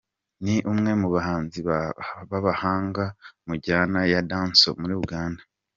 Ni umwe mu bahanzi b’abahanga mu njyana ya Dancehall muri Uganda.